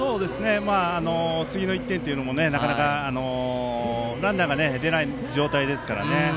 次の１点というのもなかなかランナーが出ない状態ですから。